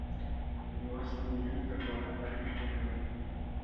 لوستې نجونې د ټولنې اړيکې ټينګوي.